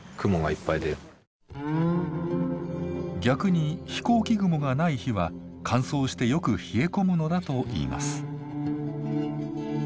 逆に飛行機雲がない日は乾燥してよく冷え込むのだといいます。